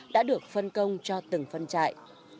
đã được phân công cho từng phân trại